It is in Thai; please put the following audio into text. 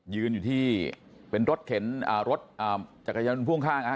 ยืนอยู่ที่เป็นรถเข็นอ่ารถจักรยานยนต์พ่วงข้างนะฮะ